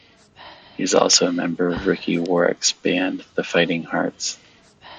He is also a member of Ricky Warwick's band The Fighting Hearts.